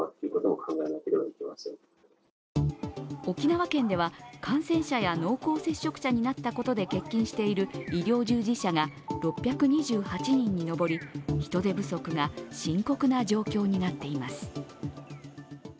沖縄県では感染者や濃厚接触者になったことで欠勤している医療従事者が６２８人に上り、人手不足が深刻な状況になっています。